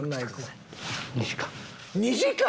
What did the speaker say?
２時間！？